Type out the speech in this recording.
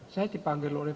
saya dipanggil oleh